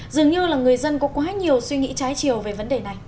dường như là người dân có quá nhiều suy nghĩ trái chiều về vấn đề này